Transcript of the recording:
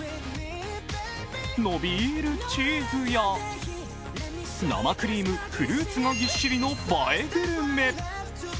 伸びるチーズや、生クリーム、フルーツがぎっしりの映えグルメ。